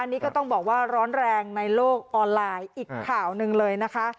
นี่ก็ต้องบอกว่าร้อนแรงในโลกออนไลน์อีกข่าวหนึ่งเลยนะคะ